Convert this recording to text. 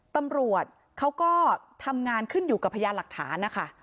ตำรวจเขาก็ทำงานขึ้นอยู่กับพยานหลักฐานนะคะ